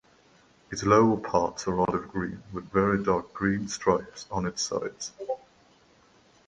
Its lower-parts are olive-green with very dark green stripes on its sides.